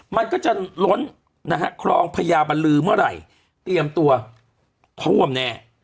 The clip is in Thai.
มันก็จะล้นนะฮะครองพญาบัลลือเมื่อไหร่เตรียมตัวท่วมแน่